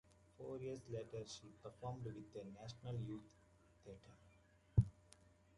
Four years later, she performed with the National Youth Theatre.